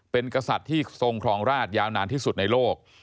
เป็นกษัตริย์ที่ทรงครองราชยาวนานที่สุดในโลก